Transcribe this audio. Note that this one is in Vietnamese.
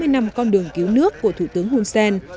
sáu mươi năm con đường cứu nước của thủ tướng hun sen